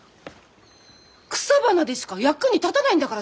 草花でしか役に立たないんだからさ！